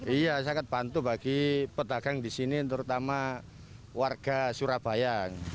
iya sangat bantu bagi petagang di sini terutama warga surabaya